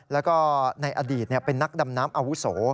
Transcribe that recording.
แล้วก็ในอดีตเป็นนักดำน้ำอาวุโส